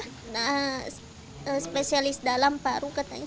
tidak ada spesialis dalam paru katanya